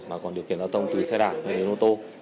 mà còn điều kiện giao thông từ xe đạc đến ô tô